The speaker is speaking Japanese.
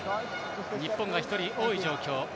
日本が１人多い状況。